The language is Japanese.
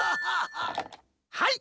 ☎はい。